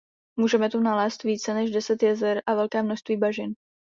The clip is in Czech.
Můžeme tu nalézt více než deset jezer a velké množství bažin.